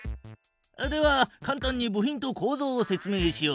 ではかん単に部品とこうぞうを説明しよう。